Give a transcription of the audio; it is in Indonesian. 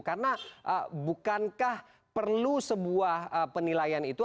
karena bukankah perlu sebuah penilaian itu